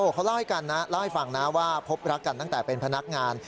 เขาเล่าให้ฟังนะว่าพบรักกันตั้งแต่เป็นพนักงาน